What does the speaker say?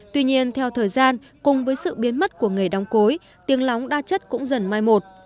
tuy nhiên theo thời gian cùng với sự biến mất của nghề đóng cối tiếng lóng đa chất cũng dần mai một